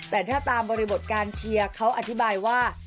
แต่ถ้าตามบริบทการเชียร์เขาอธิบายว่า